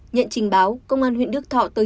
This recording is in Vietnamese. nhận trình báo công an huyện đức thọ tới hiệu quả